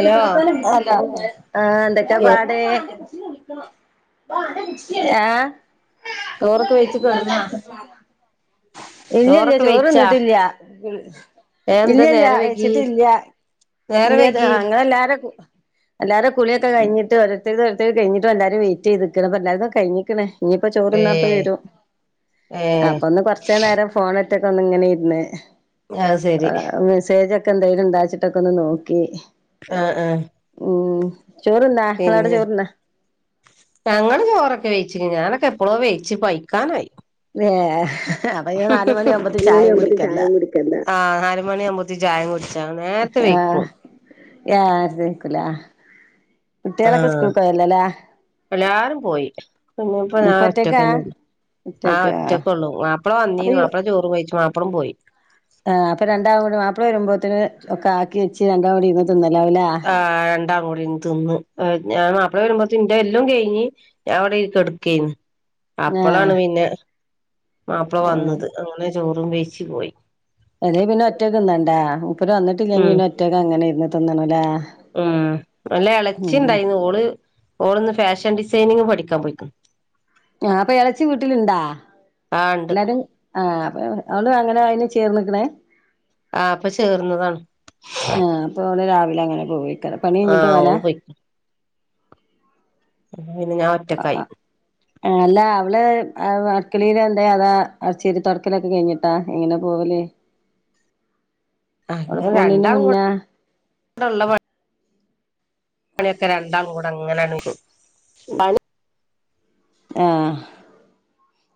Hello എന്തൊക്കെ ഏ പാട് ആഹ ചോറൊക്കെ വെയിച്ച് കടുന്നാ ഇല്ലല്ല ചോറന്നിട്ടില്ല ഏ എന്താ ഇല്ലല്ല നേരം വൈകി വെച്ചിട്ടില്ല നേരം വൈകി [unintelligible] അങ്ങനെല്ലാര എല്ലാര കുളിയൊ കിഞ്ഞിട്ട്ഓരത്തരുത് ഒരേക്ക് കഴിട്ട്ല്ലരും വെയിറ്റ് ചെയ്തിക്കണംപ്പ എല്ലാരും കഴിഞ്ഞിക്കണേ ഇനിയിപ്പ ഏ ചോറ്ന്നാപ്പ വരും ഏ അപ്പൊ ഒന്ന് കൊറ ഫോണറ്റക്കെ ഒന്ന ഇങ്ങനെ ഇരുന്ന് അത് ശരി മെസേജെ ഒക്ക എന്തെങ്കും ഉണ്ടാച്ചിട്ടൊക്കെ ഒന്ന് നോക്കി ആഹ ആഹ ഉം ചോറ്ന്നാ നിങ്ങളവിടെ പിന്നെ ചോറ്ന്നാ ഞങ്ങള് ചോറൊക്കെ വേയ്ച്ചിന് ഞാനൊ എപ്പോഴോ വേയ്ച്ച് പയ്ക്കാനായി ഏ അപ്പൊ നാല് മണിയാകുമ്പത്തിന് നാലു മണിയ ചായയും ആവുമ്പത്ത ചായം കുടിക്കല്ല കുടിക്കണ്ട ആ് നാല മണിയാവവുമ്പോത്ത ചായം കുടി ആഹ ആർ ചിക്കല [unintelligible] കുട്ടികളൊക്കെ സ്കൂൾ പോയല്ലല്ലേ എല്ലരും പോയി പിന്നെപ്പോ ഞാൻ ഇപ്പ ഒറ്റക്കാ ഒറ്റക്കന്നള്ളു ആഹ് ഒറ്റക്കെ ഉള്ളൂ മാപ്പിള വന്നീ അപ്പൊ ഈ മാപ്പളെ ചോറ് കഴിച്ചു മാപളു പോയി ആഹ് അപ്പൊ രണ്ടാളും കൂടി മാപ്പിള വരുമ്പോത്തിന് ഒക്കെ ആക്കി വെച്ച് രണ്ടാലുംകൂടി ഇരുന്നു തിന്ന ആ രണ്ടാംകൂടി തിന്ന് ഞാൻ അപ്പള വരുമ്പോ ന്റെ എല്ലാം കഴിഞ്ഞ് ഞാൻ ഇവിടെ കിടക്കന് ആഹ് അപ്പളാണ് പിന്നെ മാപ്പള വന്നത് അങ്ങനെ ചോറും വേയ്ച്ച് പോയി എതേ പിന്ന ഒറ്റയ്ക്ക് തിന്നാണ്ടാ മൂപ്പർ വന്നിട്ടില്ലെങ്കി ഉം പിന്നെ ഒറ്റക്ക് അങ്ങനെ ഇരുന്ന് തിന്നണല്ലേ ഉം അല്ല ഇളച്ചി ഉം ഉണ്ടായിന്ന് ഓള് ഓളന്ന് ഫാഷൻ ഡിസൈനിങ് പഠിക്കാൻ പോയിക്കുന്നു ആ അപ്പൊ ഇളച്ചി വീട്ടില ഇണ്ടാ ആഹ് ഇണ്ട് എല്ലാരും ആഹ അവള് അങ്ങനെ അയിന് ചേർന്നക്കണേ ആഹ് ഇപ്പൊ ചേർന്നതാണ് ആ അപ്പൊ അവിടെ രാവിലെ അങ്ങനെ പോയി പണി കഞ്ഞിട്ട് ആഹ് പോല ഓള് പോയിക്ക്ണ് അപ്പൊ പിന്നെ ഞാൻ ആ ഒറ്റക്കായി ആ അല്ല അവള് ആ അടക്കിളിയില എന്താ അതാ അടച്ചിരി തുടക്കലൊക്കെ കഴിഞ്ഞിട്ടാ ഇങ്ങനെ പോവല് അ അവള് പോണീന്റെ രണ്ടാളും മുന്നേ [unintelligible] പണിയൊക്കെ രണ്ടാളും കൂടെ അങ്ങനെണ് ആ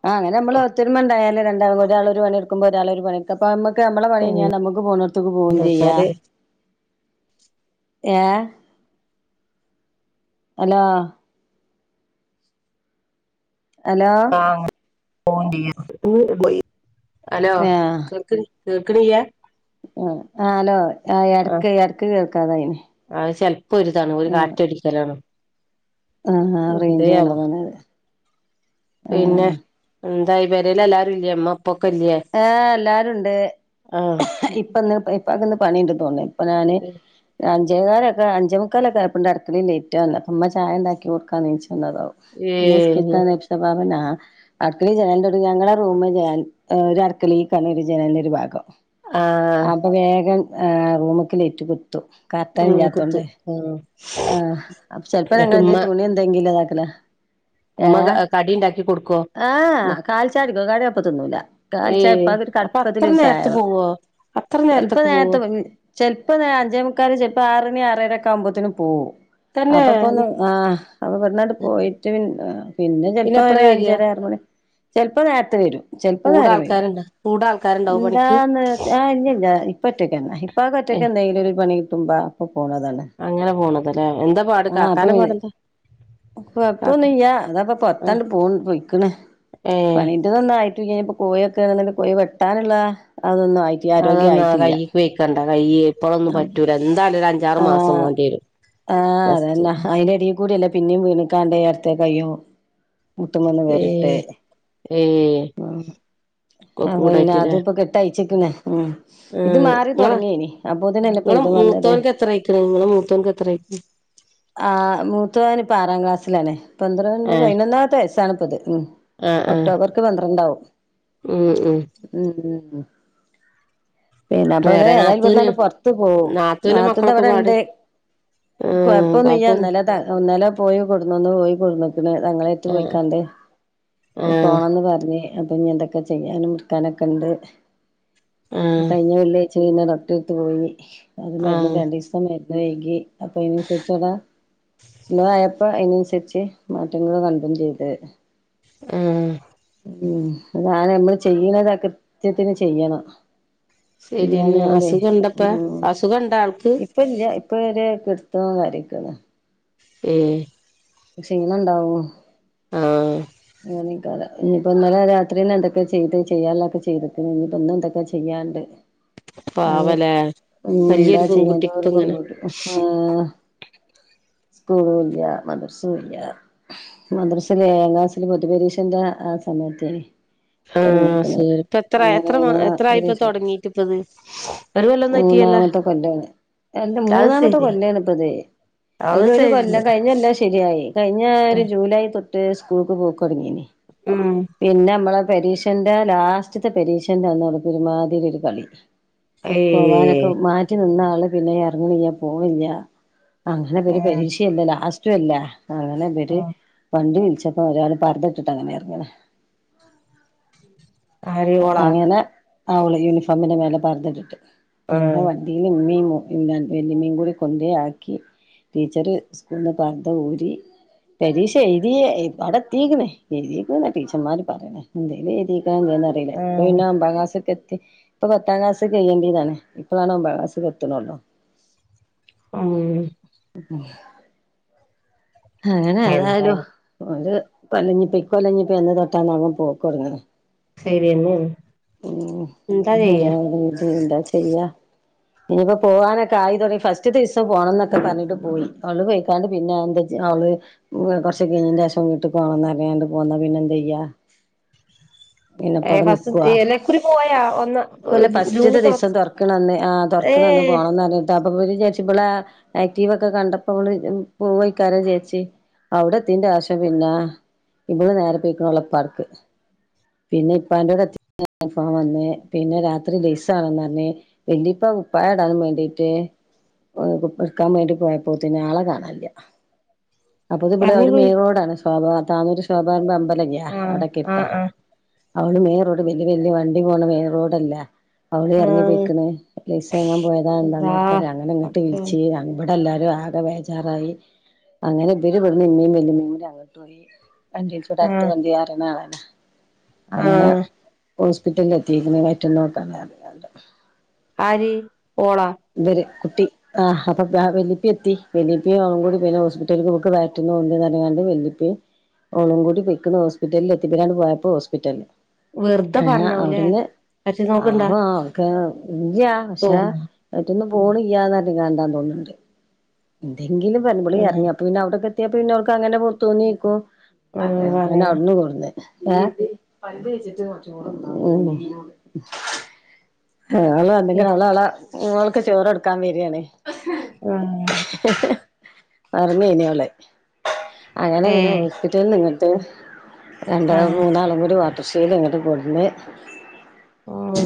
ആഹ അങ്ങനെ നമ്മള് ഒത്തരുമ ഉണ്ടായാലേ രണ്ടാള് ഒരാൾ ഒരു പണി എടുക്കുമ്പോ ഒരാൾ ഒരു പണിട്ക്ക അപ്പൊമ്മക്ക് നമ്മളെ ഉം പണിഴഞ്ഞാ നമുക്ക് പോണോത്തക്ക് പോകും ചെയ്യാം. എന്താച്ചാല് ഏ ഹലോ അലോ [inaudible] [unintelligible] ഹലോ കേക്ക് കേക്കിണില്ല. ആ ലോ ആ ഇടക്ക് ഇടക്ക് കേൾക്കാതെയി. അത് ചെലപ്പോ ഒരിതാണ് ഒരു ആ കാറ്റൊടിക്കലാണ് എന്തയാവോ പോണതാണ് അത് പിന്നെ ആഹ് ദായ്‌ വേരയല് എല്ലാരും ഇല്ലേമ്മ ഏ എല്ലരുണ്ട് ആഹ് ഇപ്പൊന്ന്പ്പൊ ഇപ്പാക്ക്ന്ന്പണിണ്ട് തോന്നുന്നു. ഇപ്പൊ ഞാന് ജജകക്കാലൊക്ക അചമുക്കാലൊക്കെപ്പആയപ്പോ ണ്ട് അടുക്കളേൽ ലൈറ്റ് കണിന് അപ്പമ്മ ചായ ഉണ്ടാക്കി കൊടുക്കാന്ന്ച്ച ന്നതാവും നിസ്കി ഏഹ് രിക്കാൻന്നാഭാഗം അടുക്കള ജനാൽന്റെവ്ടെ ഞങ്ങളുടെ റൂമ് ജനാൽ ഒരു അടുക്കളിക്കാണ് ഈ ജനന്റെ ഒരു ഭാഗം ആഹ് അപ്പൊ വേഗം ആ റൂമക്ക് ലേറ്റ് കുത്തും ഉം കുത്തു കർട്ടണില്ലാത്തോണ്ട് ആഹ് ആ ചിലപ്പോ എന്നിട്ട് ഉമ്മ ഞങ്ങളെയുന്തെയ്യും തുണി എന്തെങ്കിലും അത ഏ ഉമ്മ കടി ഇണ്ടാക്കി കൊടുക്കോ ആഹ് കാൽ ചായടിക്കും കടി അപ്പ തിന്നുല്ല. കാൽ ചായ ഏയ് ഇപ്പാക്കൊരു അപ്പൊ അത്ര കടുപ്പത്തിലൊരു നേരത്ത് ചായവേണം പോവോ അത്ര ചെൽപ്പോ നേരത്തൊക്കെ പോവോ നേരത്തെ ചെൽ ഇപ്പ അഞ്ചേ മുക്കാലോ ചെലപ്പോ ആറണി ആറരെക്കെകുമ്പത്തിന് പോകും. തന്നെ അപ്പൊപ്പൊ ഒന്ന് ആ അപ്പൊ വ്ട്ന്ങ്ങ്ട്ട് പോയിട്ട്ണ്ട്പിന്നെ പിന്നെ ചിലപ്പോ എപ്പളാ വരിക ഒരഅഞ്ചര ആറ്മണി. ചിൽപ്പോ നേരത്തെ വരും ചെൽപ്പോ കൂടെ ആൾക്കാരുണ്ട് കൂട എന്താന്ന്ച്ച ഇല്ലല്ല ഇപ്പ ഒറ്റക്കാന്നെ ഇപ്പാക്കൊറ്റക്ക് ഏഹ് എന്തെകിലും ഒരു പണി. ട്ടുമ്പപ്പോ അങ്ങനെ പോണതല്ലേ എന്താ പാട് ആ അപ്പൊ കാക്കാനെ പാടന്താ? കൊഴപ്പൊന്നുല്ല. അതപ്പൊ പൊത്താണ്ട് പോ പോയ്ക്കണ് ഏഹ് പണിന്റെന്നായിട്ടുല്ല. ഇപ്പോ പോയോക്ക കോഴി വെട്ടാനുള്ള അതൊന്നും ആയിട്ടില്ല ആരോഗ്യ ആയിട്ടില്ല. കൈയ്യ് ഇപ്പോഴൊന്നും പറ്റൂല എന്താലും ഒരു അഞ്ചാറ് മാസം ആ വേണ്ടി വരും. ആഹ് റസ്റ്റ് അതന്നാ അതിന്റെടിയിൽ കൂടല്ല പിന്നെയും വീണിക്കാണ്ട് ഇടത്തെ കയ്യും. മുട്ട്മന്ന് ഏ വേറ്ട്ട് ഏ ആ അ അതനെ അതും ഇപ്പ കെട്ടായി. ആ നിങ്ങളെ തൊടങ്ങേനി അപ്പോത്തിനല്ലേ ഇപ്പൊ നിങ്ങളെ ഇതും വന്നത് മൂത്തവൻക്ക് എത്രയ്ക്കണ് നിങ്ങള മൂത്തവൻക്ക് എത്ര ഉം ആ മൂത്തവന്പ്പോ ആറാം ക്ലാസ്സിലാണേ പന്ത്ര ഏ പതിനൊന്നാമത്തെ വയസ്സാണ് ഇപ്പത്. ഉ ആ ആ ഒക്ടോബർക്ക് പന്ത്രണ്ടാവും. ഉം ഉം [inaudible] പിന്നെ അപ്പൊ അത് വേറെ ഏതായാലും നാത്തൂന് ബിടന്നങ്ങട്ട് പൊറത്ത് പോകും ന നാത്തൂന്റെ കത്തിന്റെ മക്കളൊക്കെ ഇവിടെ പാട് ഉണ്ട്. ഉം കൊഴപ്പന്നുല്ല. കൊഴപ്പൊന്നും ഇന്നലെ ത ഇന്നലെപോയി കൊട്ന്നുക്കുണു തങ്ങളെടുത്ത് ആ പോയിക്കാണ്ട്. ആ പോണംന്ന് പറഞ്ഞേ അപ്പൊ ഇനി എന്തൊക്കെ ചെയ്യാനും മുറക്കാനൊക്കെ ഉണ്ട് ആ ആ കഴിഞ്ഞ വെള്ളി ങ്ങട്ട് പിന്നെ ഡോക്ടറെടുത്ത് പോയി അത് മരു രണ്ട് ദിവസം മരുന്ന് എഴുതി അ [unintelligible] സ്ലോ ആയപ്പോ അതിനനുസരിച്ച് മാറ്റങ്ങൾ കണ്ടും ചെയ്തത് ആ ഉംതാന നമ്മള് ചെയ്യണതാ കൃത്യത്തിന് ചെയ്യണം ഇ ശരിയെന്നെ എന്നാലേ അസുഖം ഇണ്ടപ്പ ഉ അസുഖം ഇണ്ട ആൾക്ക് ഇപ്പ ഇല്ല ഇപ്പൊ [unintelligible] എത്താ കറിക്കുന്നത് ഏ പക്ഷെ ഇന്ന് ഇണ്ടാവോ ആഹ് ക്കാരം ഇനിയിപ്പോന്നലെ രാത്രി എന്തൊക്കെ ചെയ്ത് ചെയ്യാള്ളൊക്കെ ചെയ്തുന്നു ഇനിയിപ്പോന്നും എന്തൊക്കെ ചെയ്യാണ്ട് അത് പാവല്ലേ ഉം എന്താ വലിയൊരു ചെയ്യാ പെൺകുട്ടിക്ക് നല്ലോരു ഇപ്പ ഇങ്ങനെ പെൺകുട്ടി ആഹ് സ്കൂളും ഇല്ല മദ്രസ ല്ല മദ്രസൽ എഴാം ക്‌ളാസ് പൊതുപരീഷന്റെ ആ സമയത്തെനി ആഹ് തുടങ്ങിയിരിക്കുന്നത് ശരി ഇപ്പ എത്ര അങ്ങനെ എത്ര ആ എത്രായിപ്പ വിദേശ തൊടങ്ങീട്ട് ഇപ്പത് ഒരു കൊല്ലൊന്നും ആയിട്ടില്ലല്ലോ മൂന്നാമത്തെ കൊല്ലാണ് എല്ല അത് മൂന്നാമത്തെ ശരി കൊല്ലാണ് ഇപ്പത് അത് അതിലൊ ഒരു ശരി കൊല്ലം കഴിഞ്ഞൊല്ലം ശരിയായി കഴിഞ്ഞ ഒരു ജൂലൈ തൊ ട്ട് സ്കൂളക്ക് പോക്ക് തുടങ്ങീനീ ഉം പിന്നെ നമ്മളെ പരീക്ഷന്റെ ലാസ്റ്റത്തെ പരീക്ഷന്റെന്നാണ് ഒരുമാതി ഒരു കളി പോവാനൊക്കെ ഏഹ് മാറ്റി നിന്നാ പിന്നെ ഇറങ്ങണില്ല പോണില്ല അങ്ങനെ ഒരു ഉം പരീക്ഷല്ല ലാസ്റ്റും അല്ലേ അങ്ങനെ ഇവര് ഉം വണ്ടി വിളിച്ചപ്പോ ഒരാൾ പർദ്ദ ട്ടിട്ട് അങ്ങനെ ഇറങ്ങണ് [unintelligible] ആര് ഓളോ ആ ഓള് യൂണിഫോമിന്റെ മേലെ പർദ്ദ ട്ടിട്ട് അങ്ങനെ ആഹ് വണ്ടിയില് ഇമ്മീം വല്ലിമീൻ കൂടി കൊണ്ടേ ആക്കി ടീച്ചർ സ്കൂളന്ന് പർദ്ദ ഊരി പരീക്ഷ എഴതിയ അവിടെ തീക്ണ് എഴതീക്ക് ന്ന് ടീച്ചർമാര് പറയാണ് എന്തേ എയു‌തീക എന്താന്ന് അറിയില്ല ഇപ്പൊ ആഹ് പിന്നെ ഒമ്പതാക്ലാസ്സ്‌ക്ക് എത്തി ഇപ്പൊ പത്താം ക്ലാസ് കയ്യേണ്ടിതാണ് ഇപ്പളാണ് ഒമ്പാം ക്ലാസ്ക്ക്‌ എത്ത്ണോള്ളൂ ആഹ് [unintelligible] അങ്ങനെ ഏതായാലും എന്തായാലും ഒരു കൊല്ലഞ്ഞിപ്പ കൊല്ലഞ്ഞിപ്പന്ന് തൊട്ടാണാവോ പോക്ക് തൊടുങ്ങണത് ശരിയെന്നേണ് ഉം എന്താ ഇത് ചെയ്യാ ഒരുമാതിരി എന്താ ചെയ്യാ ഇനിയിപ്പോ പോവാനൊക്കെ ആയി തുടങ്ങി ഫസ്റ്റ് ദിവസം പോണംന്നൊക്കെ പറഞ്ഞിട്ട് പോയി ഓള് പോയിക്കാണ്ട് പിന്നെ എന്തെ അവള് കൊറച്ച് കഴിഞ്ഞ് ശേഷം വീട്ട് പോണം ന്നറിഞ്ഞാണ്ട് പോന്ന പിന്നെ എന്ത ചെയ്യാ [unintelligible] ഏ പിന്നെപ്പ അവിടെ ബസ് നിക്കുവാ [unintelligible] പോയാ ഒന്ന് ഇക്കൊല്ലം ജൂൺ [unintelligible] തോ ന്ന് പോണന്നർത്തിട്ട് അപ്പൊ ബല് വിചാരിച്ചു ഇബളെ ആക്റ്റീവ് ഒക്കെ കണ്ടപ്പോ ബള് പോ വെയ്ക്കും കാരം വിചാരിച്ചി അവിടെത്തിന്റെ ശേഷം പിന്നാ ഇ ബള് നേരെ പോയിക്കണ് ഇപ്പാർക്ക് പിന്നെ ഇപ്പ അയ്ന്റെടെൽ [unintelligible] വന്ന് പിന്നെ രാത്രി ലേസ് വാണന്ന് പറഞ്ഞ് വല്ലിപ്പ കുപ്പായടാൻ വേണ്ടിട്ട് എട്ക്കാൻ വേണ്ടി പോയപ്പോത്തിന് ആളെ കാണില്ല അപ്പൊത്ത് ബള് എറങ്ങി ഒരു പോയി മെയിറോഡാണ് ശോഭ [unintelligible] ആഹ് അവിടക്കെ എര്ത്താ ആഹ് ആഹ് അവള് മെയിൻ റോഡ് വല്ല്യ വല്ല്യ വണ്ടി പോണ മെയിൻ റോഡല്ലെ അവള് എറങ്ങി ആഹ് പോയിക്ക്ണ് ലൈസ് വാങ്ങാൻ പോയതാ അള്ളാ എന്താന്ന ആർക്കറിയ അങ്ങനെങ്ങട്ട് പടച്ചോനെ വിളിച്ച് അങ്ങ എല്ലരും ആകെ വേജാറായി അങ്ങനെ ഇവര് ഇവിടന്ന് ഇമ്മയും വല്ലമ്മയും കൂടി അങ്ങോട്ട് പോയി വണ്ടിയിൽ കൂടി അടുത്ത് ആഹ് വണ്ടി അറിണാളാണ് അങ്ങനെ ആഹ് ഹോസ്പിറ്റലിൽ എത്തിക്ക് ണ് വയറ്റുന്നോക്കാന്നറിഞ്ഞികാണ്ട് ആര് ഓളാ കുട്ടി ആ അപ്പ വലിപ്പി എത്തി വലിപ്പിയും കൂടി പിന്നെ ഹോസ്പിറ്റല്ക്ക് ഓക്ക് വയറ്റ്ന്ന് പോവ്ണ്ട്ന്ന്റിഞാണ്ട് ഓളും വല്ലിപ്പിമ് ഓളം കൂടി പോയിക്ക്ണ് ഹോസ്പിറ്റലിൽ എത്തിക്കാണ് പോയപ്പ ഹോസ്പിറ്റല് വെറുതെ അങ്ങനെ പറഞ്ഞാവുല്ലേ അവിടുന്ന് പറ്റി ആ നോക്കണ്ടാ അവക്കെ ഇല്യ പഷേ തോന്നുന്നു മറ്റൊന്ന് പോണില്യന്നാർനിക്കണ്ട തോന്നുന്നുണ്ട് എന്തെങ്കിലുംഞ്ഞമ്പള ആഹ് ഇങ്ങ അപ്പ പിന്ന അവിടൊക്ക എത്തിയാപ്പ പിന്നെ അവർക്ക്ങ്ങെ പുറത്ത തന്ന നക്കും ആഹ് അങ്ങനെ പറഞ്ഞ അവിടന്നും കൊടുന്ന് ഏ പല്ല് തേച്ചിട്ട് പോറ് തിന്നാ ഉം ആ അവള എന്തെങ്കില അവളള നിങ്ങക്ക് ചോറ് എടുക്കാൻ വരിാണ്േ ആഹ് പറഞ്ഞ ഇന അവളെ അങ്ങനെ പിന്നെ ഏഹ് ഹോസ്പിറ്റലിൽ നിങ്ങിട്ട് രണ്ട ആഹ് മൂന്നാളും കൂടി വാ തുശൽ ഇങ്ങട്ട് കൊടുന്ന്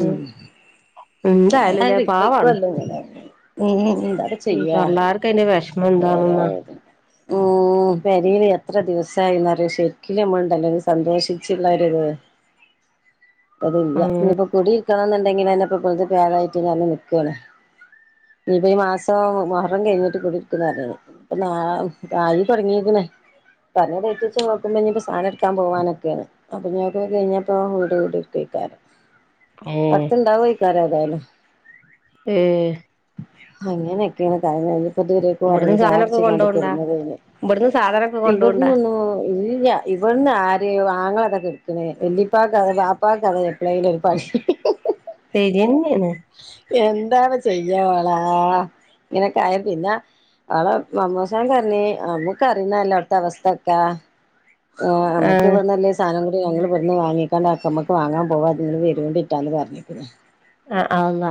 ഉ എന്തായാലുംല്ലേ [unintelligible] അക്കുവല്ലോ ഉ ഉ തള്ളാർക്ക അെ വിഷമം എന്താണെന്ന ഓ പ അരിൽ എത്ര ദിവസമായി എന്നറിയ ശരിക്കലുംണ്ടല്ലെങ്കും സന്തോഷിച്ചുള്ള ഇത് അപ്പ അതുല്യ ഉം ഇനിപ്പോ കുടിയിൽക്കണ എന്നുണ്ടെങ്കിൽ അെപ്പൊ കു പേടായിട്ട് നൽക്കുവണ ഇയിപ്പൊ ഈ മാസം മഹം കഴിഞ്ഞിട്ട് കൂടിരിക്കുന്നാണ് ഇപ്പൊ തായി തുടങ്ങികണ് ആ പറഞ്ഞ ഡേറ്റ് വെച്ച് നോക്കുമ്പോ ഇനിപ്പോ സാധന എടുക്കാൻ പോവാനൊക്കെയാണ് അപ്പ ഞ അതൊക്കെ കഴിഞ്ഞപ്പോ വീട് കുതിർക്കെയ് ഏഹ് അടുത്തണ്ടാവയിക്കാര തായാലും ഉഏ അങ്ങനെയൊക്കെയാണ് കാര്യങ്ങൾ ഇനിപ്പോ ഇതുവരെക് ഉറങ്ങി ഇവിടുന്ന് സാധനൊക്കെ ചെയ്യാട്ചിങ്ങന്ട് കൊണ്ടോണ്ടാ ഇവിടുന്ന് സാധനൊക്കെ കൊണ്ടോണ്ടാ ഇവിടന്ന്ൊന്നും ഇല്ല ഇവിടുന്ന് ആരെയോ ആങ്ങളതൊക്കെ എണ്ടിപ്പാ കഥെ പാപ്പാ കഥ എ പിള്ളൈൽ ഒരുപാടി ഹി ഹി തരിന് എന്തണ ചെയ്യ വളാ ഇങ്ങനെക്കായ പിന്നെ അവളെ മമ്മൂസൻ കറിഞ്ഞി അമ്മക്ക്റുന്നല്ല അടത്തെ അവസ്ഥ ഒക്കാ ആ നമക്ക് ആഹ് ഇവിടെ നല്ല സാധനങ്ങ ഞങ്ങള്ൾ പെ വാങ്ങിക്കാണ്ട് അക്കമ്മക്ക് വാങ്ങാൻ പോവാ നിങ്ങള് വരിുകൊണ്ടിട്ടാന്ന് പറഞ്ഞികണ് ആ ആ അല്ല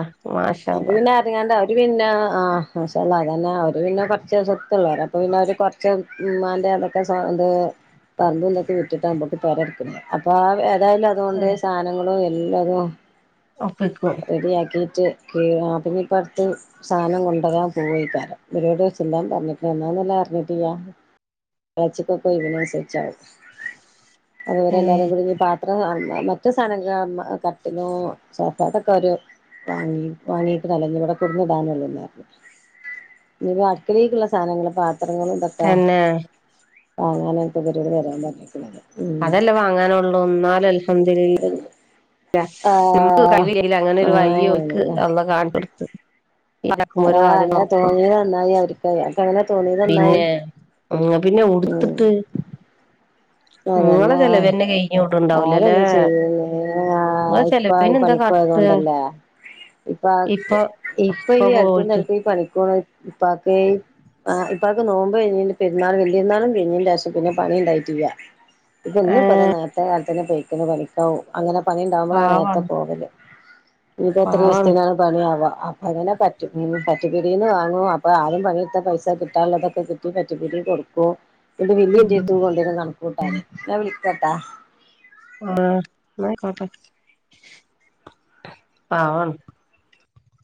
അത് പിന്നെ അരങ്ങാണ്ട പിന്നെ ആന്നെ ആ മശാല്ല അതെന്നെ അവര് പിന്നെ കുറച്ച് സ്വത്തുള്ള വേറെ അപ്പ പിന്നെര് കൊറച്ച് ഉമ്മൻ്റെ ൊെ പറമ്പൊക്കെ വിട്ടിട്ട്ോ അമ്മക്ക് പോരെഡ്ക്നെ എന്തായാലും അതുകൊണ്ട് ആഹ് സാധനങ്ങളും എല്ലാതും ഒപ്പിക്കും റെഡി ആാക്കിയിട്ട് ആപ്പിന ഇപ്പ അടുത്ത് സാധനം കൊണ്ടരാാൻ പോയിക്കാരം ഒരോട് ചെല്ലാൻ പറഞ്ഞികണ് എന്നാപിന്നെ പറഞ്ഞിട്ടില്ല എലെചികൊക്കെ വിരുന്ന് അതുപോല എല്ലാരും ഏഹ് കൂടിനി പാ അത്ര മറ്റു സാധനങ്ങ കട്ടിലും സോഫ ഇതൊക്കെ ഒരു വാങ്ങി വാങ്ങിനാലോ നിവടെ കുടുന്ന ഡാനള്ളൂ ഇനിപ്പോ അടുക്കലേക്കുള്ള സാധനങ്ങളൾ പ പത്രങ്ങളും ഇതൊക്കാ തന്നെ വാങ്ങാനനി ഗരുവിതി വരാൻ പറഞ്ഞിരിക്കുന്നത് ഉം അതല്ലേ വാങ്ങാനള്ളൂ ഒന്നാല നമ്മക്ക് ആഹ് കഴിവില്ലേലും അങ്ങനെ ഒരു വഴി ഓക്ക് ആഹ് അല്ല കണ്ടു്, പടുത്ത ഇടക്കുമ്പോ ഒരു ആഹ് വാതിം അങ്ങനെ തുറക്കും തോന്നിയത് നന്നായി അവർക്ക് അനക്ക് അങ്ങനെ തോന്നിയത് നന്നായി പിന്നെ പിന്നെ ഉടുത്തട്ട് അതന്നാ കഴിഞ്ഞോട്ടുണ്ടാവൂലല്ലേ ആരന്ന ചെയ്യേ നിങ്ങളെ ഇപ്പ ചെലവിന് എന്താ പണിക്ക കാട്ടുക ണ്ടല്ലേ ഇപ്പ ഇപ്പൊ ഇപ്പൊ ഈ അടക്കും തടക്കും ഈ പണിക്ക ഇപ്പക്കെ ആഹ് ഇപ്പക് നോുമ്പോകഴിഞ്ഞ് പിന്നെ വലിരുന്നാളും കഴിഞ്ഞ് പിന്നെ പണി ഉണ്ടായിട്ടില്യ ഇപ്പ ഇന്നിപ്പ അ നേത്തെ കാലത്തിന്നെ പെയക്കുന്നു പഠിക്കാവും അങ്ങനെ പണി ഉണ്ടാവകുമ്പോഴാണ് നേരത്തെ പാവാണ് പോകത് ഇങ്ങട്ട് എത്ര പാവാണ് സ്തീനാപണിയാവാ അപ്പൊത്തന്നെ പറ്റും പറ്റിപ്പിടീന്ന് വാങ്ങും അപ്പൊ ആദ്യം പണിട്ത്ത പൈസ കിട്ടാനുള്ളതൊക്കെ കിട്ടി പറ്റ്പ്പിടി കൊട്ക്കും ഇങ്ങട്ട് പിന്നിം ഇന്റെട്ത്ത്ക്ക് കൊണ്ടരും കണക്കൂട്ടാന് ഞാൻ വിളിക്കട്ടോ ആ ഇന്നായ്കോട്ടെ പാവാണ്